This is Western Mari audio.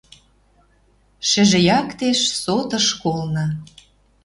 Шӹжӹ яктеш, соты школна